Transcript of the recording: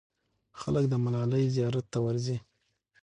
خلک د ملالۍ زیارت ته ورځي.